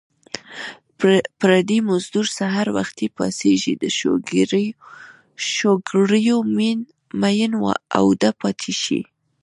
پردی مزدور سحر وختي پاڅېږي د شوګیرو مین اوده پاتې شي